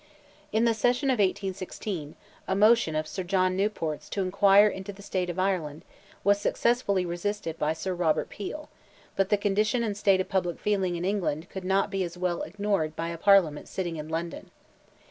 In the session of 1816, a motion of Sir John Newport's to inquire into the state of Ireland, was successfully resisted by Sir Robert Peel, but the condition and state of public feeling in England could not be as well ignored by a Parliament sitting in London.